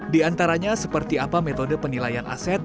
diantaranya seperti apa metode penilaian aset